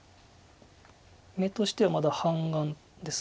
眼としてはまだ半眼です。